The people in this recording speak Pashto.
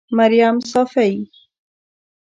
مريم صافۍ